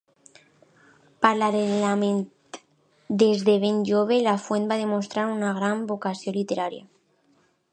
Paral·lelament, des de ben jove, Lafuente va demostrar una gran vocació literària.